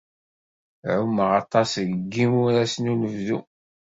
Ɛumeɣ aṭas deg yimuras n unebdu.